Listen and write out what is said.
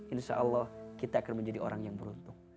insya allah kita akan menjadi orang yang beruntung